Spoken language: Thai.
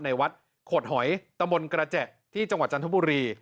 ในวัดโขดหอยตะมนต์กระแจที่จังหวัดจันทบุรี